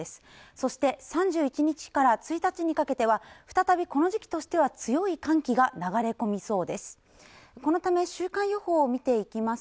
そして３１日から１日にかけては再びこの時期としては強い寒気が流れ込みそうです